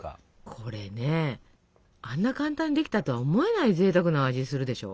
これねあんな簡単にできたとは思えないぜいたくな味するでしょ？